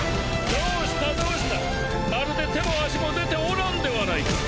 どうしたどうしたまるで手も足も出ておらんではないか。